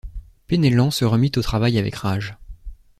Penellan se remit au travail avec rage.